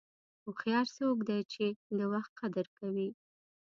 هوښیار څوک دی چې د وخت قدر کوي.